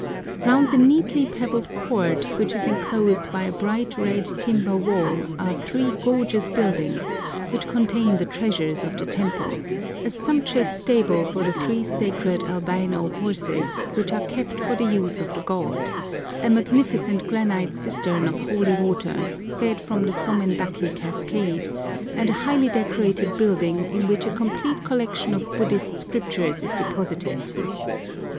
Round the neatly pebbled court, which is enclosed by a bright red timber wall, are three gorgeous buildings, which contain the treasures of the temple, a sumptuous stable for the three sacred Albino horses, which are kept for the use of the god, a magnificent granite cistern of holy water, fed from the Sômendaki cascade, and a highly decorated building, in which a complete collection of Buddhist Scriptures is deposited.